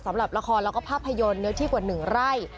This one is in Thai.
สำหรับละครแล้วก็ภาพยนตร์เนื้อที่กว่า๑ไร่